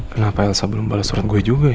kenapa elsa belum bales surat gue juga ya